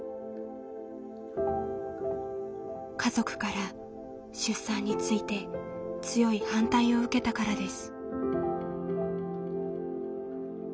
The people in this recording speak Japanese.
家族から出産について強い反対を受けたからです。